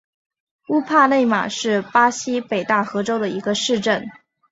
乌帕内马是巴西北大河州的一个市镇。